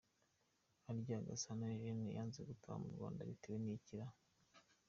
Harya Gasana Eugène yanze gutaha mu Rwanda bitewe n’iki raa?